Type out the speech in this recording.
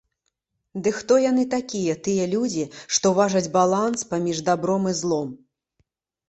Ды хто яны такія, тыя людзі, што важаць баланс паміж дабром і злом?!